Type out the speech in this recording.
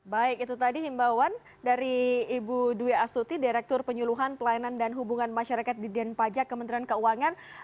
baik itu tadi himbauan dari ibu dwi astuti direktur penyuluhan pelayanan dan hubungan masyarakat di denpajak kementerian keuangan